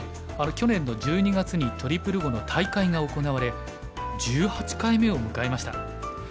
去年の１２月にトリプル碁の大会が行われ１８回目を迎えました。